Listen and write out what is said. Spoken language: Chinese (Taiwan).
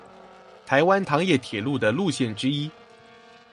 臺灣糖業鐵路的路線之一